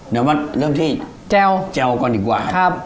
เดี๋ยวมาเริ่มที่แจวก่อนดีกว่าครับ